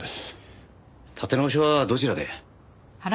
建て直しはどちらで？